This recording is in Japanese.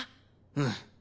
うん。